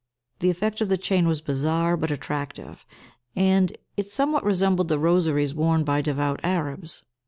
The effect of the chain was bizarre but attractive, and it somewhat resembled the rosaries worn by devout Arabs.